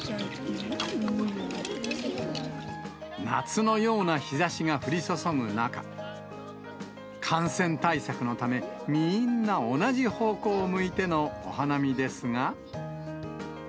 夏のような日ざしが降り注ぐ中、感染対策のため、みんな同じ方向を向いてのお花見ですが。